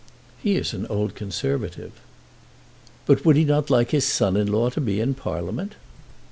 "He is an old Conservative." "But would he not like his son in law to be in Parliament?"